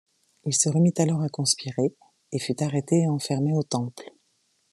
Il se remit alors à conspirer, et fut arrêté et enfermé au Temple.